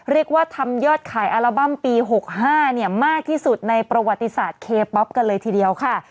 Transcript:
เรียกว่าทำยอดขายอัลบั้มปี๖๕มากที่สุดในประวัติศาสตร์เคป๊อปกันเลยทีเดียวค่ะ